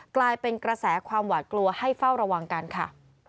กลายเป็นกระแสความหวาดกลัวให้เฝ้าระวังกันค่ะ